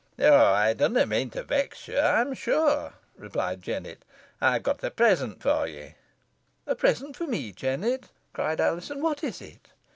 "Oh! ey dunna mean to vex ye, ey'm sure," replied Jennet. "Ey've got a present for ye." "A present for me, Jennet," cried Alizon; "what is it?"